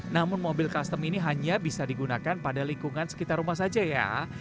namun mobil custom ini hanya bisa digunakan pada lingkungan sekitar rumah saja ya